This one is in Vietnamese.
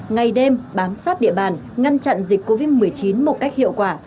ngày đêm bám sát địa bàn ngăn chặn dịch covid một mươi chín một cách hiệu quả